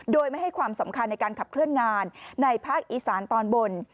โดยไม่ให้ความสำคัญในการขับเคลื่อนงานในภาคอีสานตอนบน